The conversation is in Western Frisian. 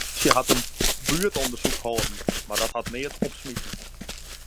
De polysje hat in buertûndersyk hâlden, mar dat hat neat opsmiten.